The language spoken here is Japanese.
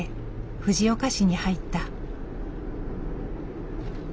藤岡市に入った。